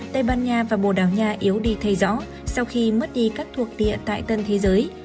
tây ban nha và bồ đào nha yếu đi thay rõ sau khi mất đi các thuộc địa tại tân thế giới